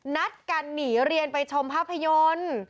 นัดกันหนีเรียนไปชมภาพยนตร์